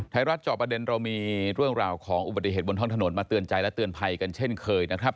จอบประเด็นเรามีเรื่องราวของอุบัติเหตุบนท้องถนนมาเตือนใจและเตือนภัยกันเช่นเคยนะครับ